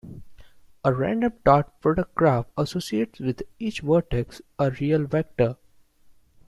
A random dot-product graph associates with each vertex a real vector.